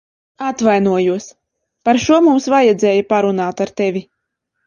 Atvainojos par šo. Mums vajadzēja parunāt ar tevi.